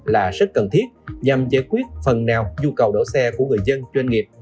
là rất cần thiết nhằm giải quyết phần nào nhu cầu đổ xe của người dân doanh nghiệp